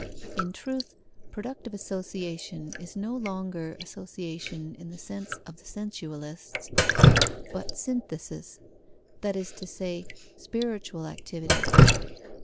In truth, productive association is no longer association in the sense of the sensualists, but synthesis, that is to say, spiritual activity.